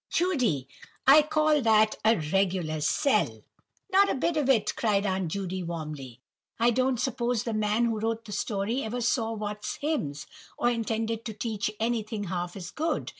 Judy! I call that a regular 'sell.'" "Not a bit of it," cried Aunt Judy, warmly; "I don't suppose the man who wrote the story ever saw Watts's hymns, or intended to teach anything half as good.